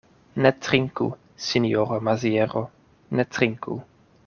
Ne trinku, sinjoro Maziero, ne trinku!